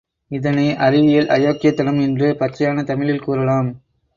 இதனை அறிவியல் அயோக்யத்தனம் என்று பச்சையான தமிழில் கூறலாம்.